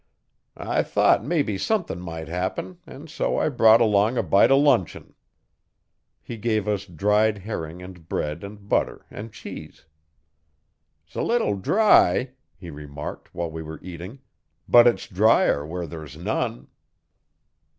'I thought mebbe somethin' might happen, an' so I brought along a bite o' luncheon.' He gave us dried herring and bread and butter and cheese. ''S a little dry,' he remarked, while we were eating, 'but it's drier where there's none.'